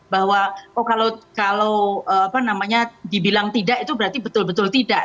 bahwa oh kalau dibilang tidak itu berarti betul betul tidak